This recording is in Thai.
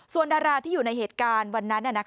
ส่วนดาราที่อยู่ในเหตุการณ์วันนั้น